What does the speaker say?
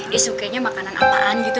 dia sukanya makanan apaan gitu